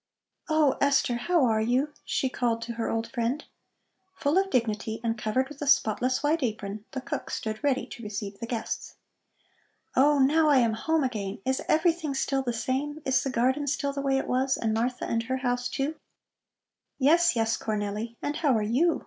"Oh, Esther, how are you?" she called to her old friend. Full of dignity and covered with a spotless white apron, the cook stood ready to receive the guests. "Oh, now I am home again! Is everything still the same? Is the garden still the way it was? And Martha and her house, too?" "Yes, yes, Cornelli. And how are you?"